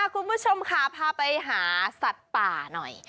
คุณผู้ชมค่ะพาไปหาสัตว์ป่าหน่อย